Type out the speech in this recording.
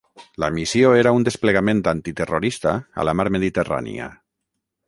La missió era un desplegament antiterrorista a la mar Mediterrània.